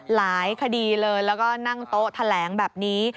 หลายคดีเลยแล้วก็นั่งโต๊ะแถลงแบบนี้